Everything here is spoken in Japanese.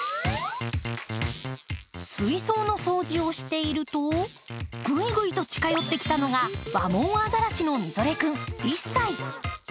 水槽の掃除をしているとグイグイと近寄ってきたのがワモンアザラシのミゾレ君１歳。